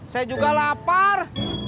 saya juga lapar